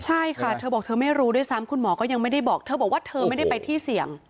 ใช่ค่ะเธอบอกเธอไม่รู้ด้วยซ้ำคุณหมอก็ยังไม่ได้บอกเธอบอกว่าเธอไม่ได้ไปที่เสี่ยง